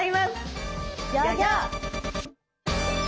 ギョギョ！